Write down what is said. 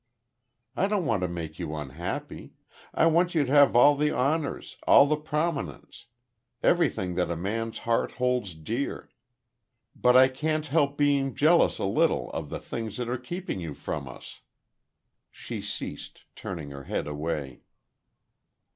I don't want to make you unhappy. I want you to have all the honors all the prominence everything that a man's heart holds dear. But I can't help being jealous a little of the things that are keeping you from us...." She ceased, turning her head away.